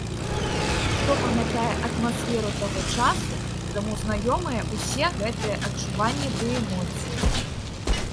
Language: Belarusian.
Хто памятае атмасферу таго часу, таму знаёмыя ўсе гэтыя адчуванні ды эмоцыі.